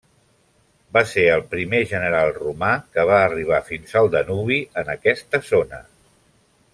Va ser el primer general romà que va arribar fins al Danubi en aquesta zona.